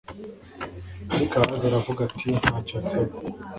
Ariko Ahazi aravuga ati Nta cyo nsaba